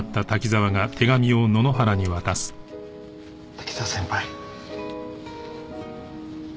滝沢先輩。